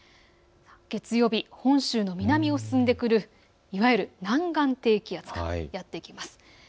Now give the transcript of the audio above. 月曜日、本州の南を進んでくる南岸低気圧がやって来ます。